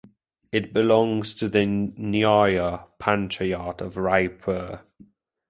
It belongs to the nyaya panchayat of Raipur.